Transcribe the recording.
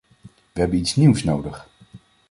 We hebben niets nieuws nodig.